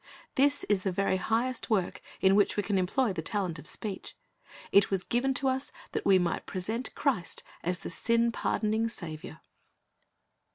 "^ This is the very highest work in which we can employ the talent of speech. It was given to us that we might present Christ as the sin pardoning Saviour.